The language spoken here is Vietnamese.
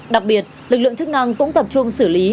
đặc biệt lực lượng chức năng cũng tập trung xử lý